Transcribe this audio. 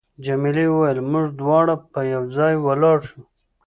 جميلې وويل: موږ دواړه به یو ځای ولاړ شو.